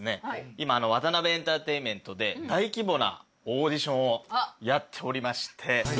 今ワタナベエンターテインメントで大規模なオーディションをやっておりまして。